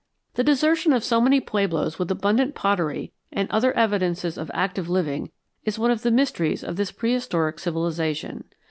The desertion of so many pueblos with abundant pottery and other evidences of active living is one of the mysteries of this prehistoric civilization.